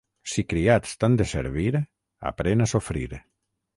Si criats t'han de servir, aprèn a sofrir.